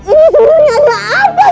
ini sebenarnya ada apa sih